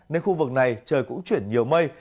nên khu vực này trời cũng chuyển nhiều mây